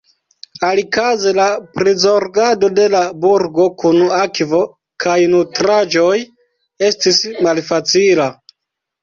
Alikaze la prizorgado de la burgo kun akvo kaj nutraĵoj estis malfacila.